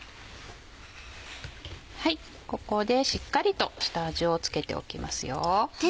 ここでしっかりと下味を付けておきますよ。